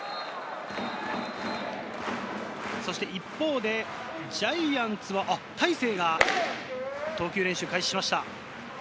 一方でジャイアンツは大勢が投球練習を開始しました。